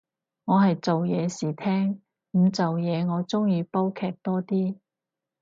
我係做嘢時聽，唔做嘢我鍾意煲劇多啲